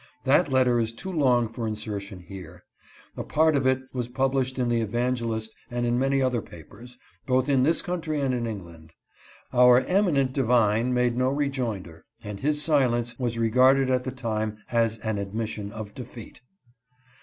That letter is too long for insertion here. A part of it was published in the Evangelist and in many other papers, both in this country and in England. Our eminent divine made no rejoinder, and his silence was regarded at the time as an admission of defeat.